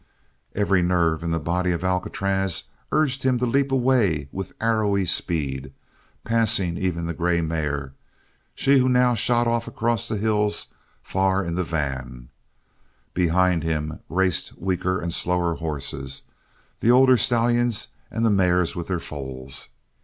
Every nerve in the body of Alcatraz urged him to leap away with arrowy speed, passing even the grey mare she who now shot off across the hills far in the van but behind him raced weaker and slower horses, the older stallions and the mares with their foals.